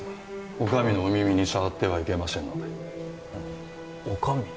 お上のお耳にさわってはいけませんのでお上？